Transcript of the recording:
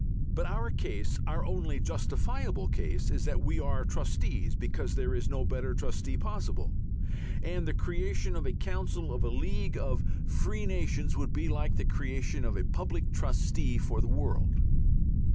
But our case, our only justifiable case, is that we are trustees because there is no better trustee possible. And the creation of a council of a League of Free Nations would be like the creation of a Public Trustee for the world.